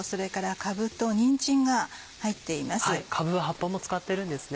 かぶは葉っぱも使ってるんですね。